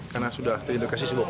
karena sudah terindikasi